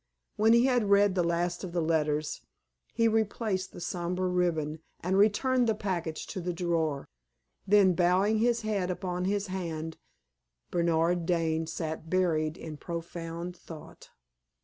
When he had read the last of the letters he replaced the somber ribbon and returned the package to the drawer. Then bowing his head upon his hand, Bernard Dane sat buried in profound thought.